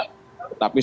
tapi saya melihatnya